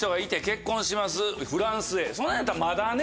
そんなんやったらまだね。